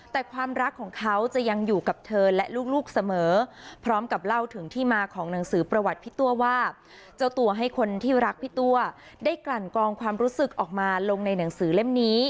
แต่ความรักของเขาจะยังอยู่กับเธอและลูกเสมอ